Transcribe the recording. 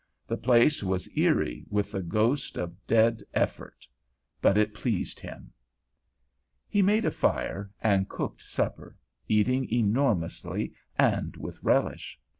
The place was eery with the ghost of dead effort; but it pleased him. He made a fire and cooked supper, eating enormously and with relish.